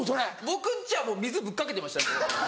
僕んちはもう水ぶっかけてましたね。